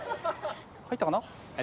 入ったかな？